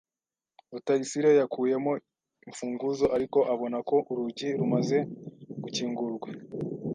Rutayisire yakuyemo imfunguzo, ariko abona ko urugi rumaze gukingurwa.